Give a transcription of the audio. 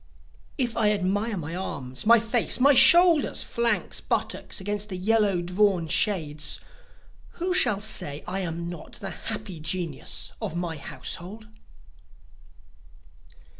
If I admire my arms, my face, my shoulders, flanks, buttocks against the yellow drawn shades, Who shall say I am not the happy genius of my household?